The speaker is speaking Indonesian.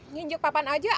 nginjek papan aja aduh